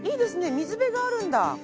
水辺があるんだ。